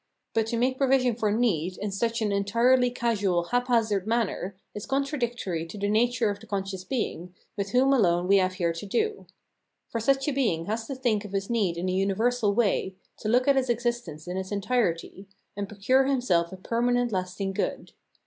But to make provision for need in such an entirely casual haphazard manner is contra dictory to the nature of the conscious being, with whom alone we have here to do. For such a being has to think of his need in a universal way, to look to his exist ence in its entirety, and procure himself a permanent lasting good.